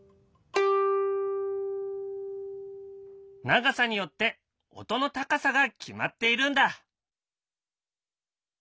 長さによって音の高さが決まっているんだ。